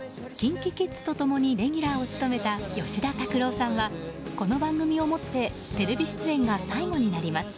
ＫｉｎＫｉＫｉｄｓと共にレギュラーを務めた吉田拓郎さんはこの番組をもってテレビ出演が最後になります。